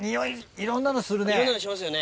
いろんなのしますよね。